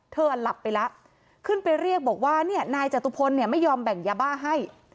หลับไปแล้วขึ้นไปเรียกบอกว่าเนี่ยนายจตุพลเนี่ยไม่ยอมแบ่งยาบ้าให้